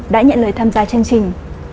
đã nhận lời tham gia chương trình